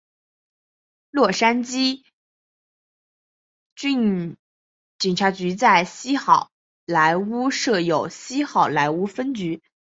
洛杉矶郡警察局在西好莱坞设有西好莱坞分局。